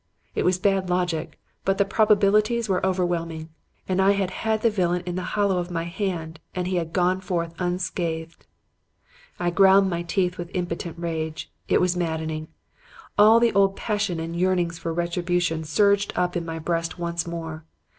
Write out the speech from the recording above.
It was bad logic, but the probabilities were overwhelming. And I had had the villain in the hollow of my hand and he had gone forth unscathed! "I ground my teeth with impotent rage. It was maddening. All the old passion and yearning for retribution surged up in my breast once more.